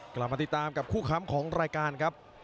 กลับมาติดตามกับคู่ค้ำของรายการครับ